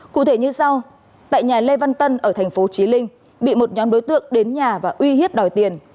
cụ thể như sau tại nhà lê văn tân ở tp chí linh bị một nhóm đối tượng đến nhà và uy hiếp đòi tiền